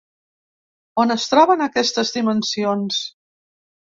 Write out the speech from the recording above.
On es troben aquestes dimensions?